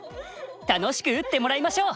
楽しく打ってもらいましょう！